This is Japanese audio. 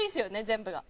全部が。